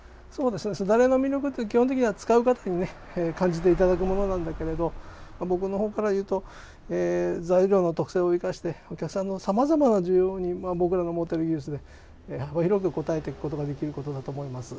簾の魅力って基本的には使う方に感じていただくものなんだけれど僕のほうからいうと材料の特性を生かしてお客さんの、さまざまな需要に僕らの持ってる技術で幅広く応えていくことができることだと思います。